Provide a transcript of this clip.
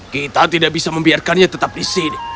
kita tidak bisa membiarkannya tetap di sini